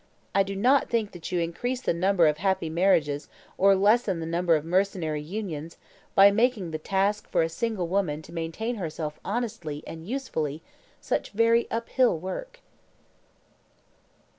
I do not think that you increase the number of happy marriages or lessen the number of mercenary unions by making the task for a single woman to maintain herself honestly and usefully such very uphill work."